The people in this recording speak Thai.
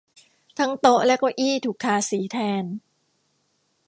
ทั้งโต๊ะและเก้าอี้ถูกทาสีแทน